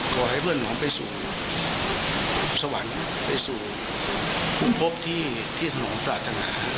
ขอให้เพื่อนหมอไปสู่สวรรค์ไปสู่คุณพบที่สนองปรารถนา